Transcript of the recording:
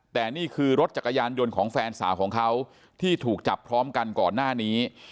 แต่นี่คือรถจักรยานยนต์ของแฟนสาวของเขาที่ถูกจับพร้อมกันก่อนหน้านี้